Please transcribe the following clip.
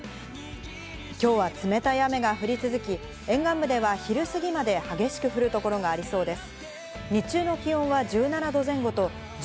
きょうは冷たい雨が降り続き、沿岸部では昼すぎまで激しく降るところがありそうです。